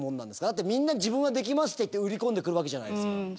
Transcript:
だってみんな自分はできますって言って売り込んでくるわけじゃないですか。